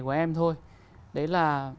của em thôi đấy là